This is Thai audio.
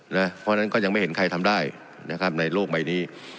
เพราะฉะนั้นก็ยังไม่เห็นใครทำได้นะครับในโลกใบนี้